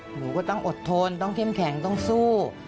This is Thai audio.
หนูก็ต้องอดทนต้องเข้มแข็งต้องสู้